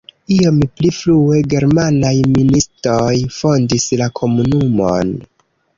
Iom pli frue germanaj ministoj fondis la komunumon.